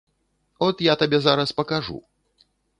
От я табе зараз пакажу.